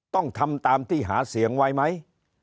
ต้องทำตามที่หาเสียงไว้ไหม